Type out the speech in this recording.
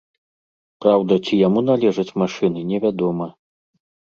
Праўда, ці яму належаць машыны невядома.